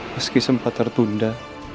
meski sempat tertunda